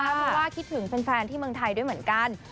เพราะว่าคิดถึงแฟนที่เมืองไทยด้วยเหมือนกัน